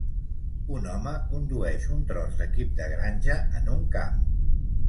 Un home condueix un tros d'equip de granja en un camp.